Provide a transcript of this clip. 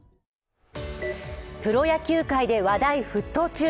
プロ野球界で話題沸騰中。